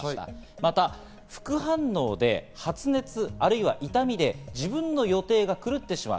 また副反応で発熱、あるいは痛みで自分の予定が狂ってしまう。